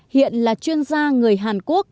hiện là chuyên gia người hàn quốc